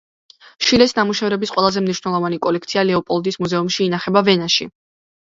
შილეს ნამუშევრების ყველაზე მნიშვნელოვანი კოლექცია ლეოპოლდის მუზეუმში ინახება, ვენაში.